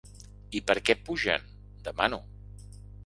I per què pugen?, demano.